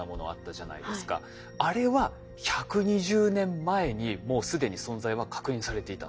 あれは１２０年前にもう既に存在は確認されていたんです。